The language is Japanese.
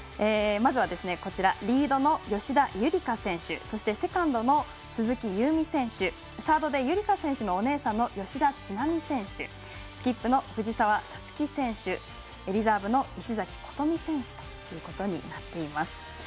まずはリードの吉田夕梨花選手そしてセカンドの鈴木夕湖選手サードで夕梨花選手のお姉さんの吉田知那美選手スキップの藤澤五月選手リザーブの石崎琴美選手となっています。